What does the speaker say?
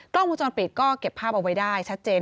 กล้องวงจรปิดก็เก็บภาพเอาไว้ได้ชัดเจน